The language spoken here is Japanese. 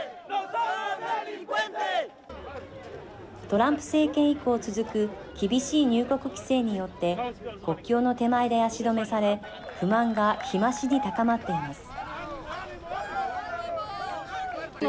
トランプ政権以降続く厳しい入国規制によって国境の手前で足止めされ不満が日増しに高まっています。